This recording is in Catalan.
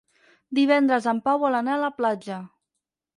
Divendres en Pau vol anar a la platja.